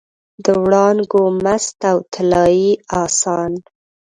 د وړانګو مست او طلايي اسان